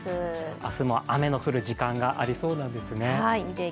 明日も雨の降る時間がありそうなんですね。